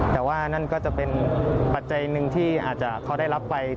แต่ว่านั่นก็จะเป็นปัจจัยหนึ่งที่อาจจะเขาได้รับไป